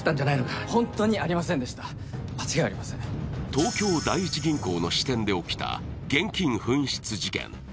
東京第一銀行の支店で起きた現金紛失事件。